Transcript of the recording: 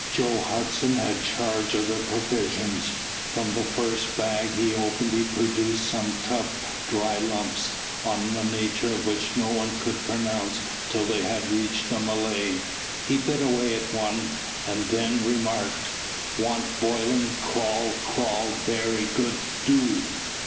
Joe Hudson had charge of the provisions. From the first bag he opened he produced some tough, dry lumps, on the nature of which no one could pronounce till they had reached the Malay. He bit away at one, and then remarked "Want boiling; crawl, crawl; berry good do."